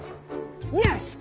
よし！